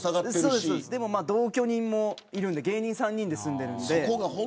でも同居人もいるから芸人３人で住んでるんで。